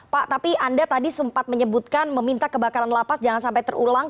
pak tapi anda tadi sempat menyebutkan meminta kebakaran lapas jangan sampai terulang